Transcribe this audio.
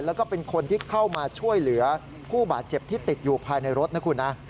แล้วก็เป็นคนที่เข้ามาช่วยเหลือผู้บาดเจ็บที่ติดอยู่ภายในรถนะคุณนะ